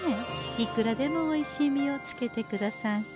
いくらでもおいしい実をつけてくださんす。